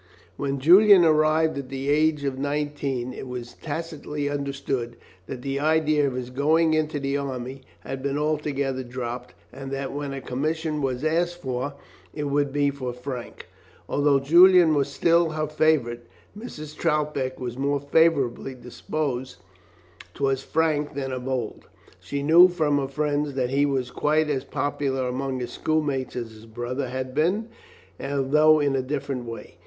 When Julian arrived at the age of nineteen it was tacitly understood that the idea of his going into the army had been altogether dropped, and that when a commission was asked for, it would be for Frank. Although Julian was still her favourite, Mrs. Troutbeck was more favourably disposed towards Frank than of old. She knew from her friends that he was quite as popular among his schoolmates as his brother had been, although in a different way.